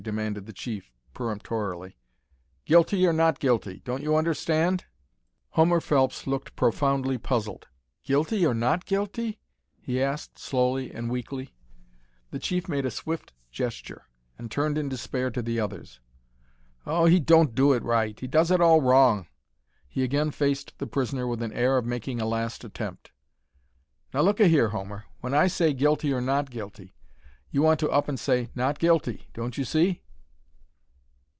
demanded the chief, peremptorily. "Guilty or not guilty? Don't you understand?" Homer Phelps looked profoundly puzzled. "Guilty or not guilty?" he asked, slowly and weakly. The chief made a swift gesture, and turned in despair to the others. "Oh, he don't do it right! He does it all wrong!" He again faced the prisoner with an air of making a last attempt, "Now look a here, Homer, when I say, 'Guilty or not guilty?' you want to up an' say, 'Not Guilty.' Don't you see?"